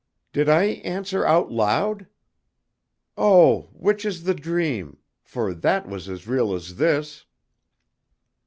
Did I answer out loud? Oh, which is the dream, for that was as real as this!"